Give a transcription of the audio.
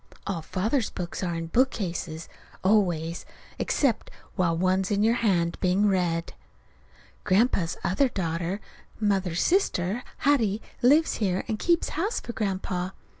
(All Father's books are in bookcases, always, except while one's in your hands being read.) Grandpa's other daughter, Mother's sister, Hattie, lives here and keeps house for Grandpa.